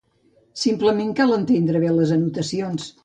Simplement cal entendre bé les anotacions.